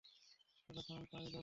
যতক্ষণ পারি লড়বো।